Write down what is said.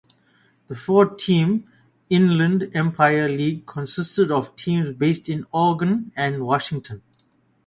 The four–team Inland Empire League consisted of teams based in Oregon and Washington.